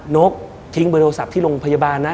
นกทิ้งเบอร์โทรศัพท์ที่โรงพยาบาลนะ